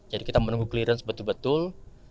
jadi kita menunggu clearance betul betul